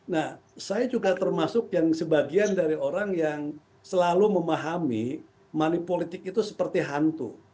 nah saya juga termasuk yang sebagian dari orang yang selalu memahami money politik itu seperti hantu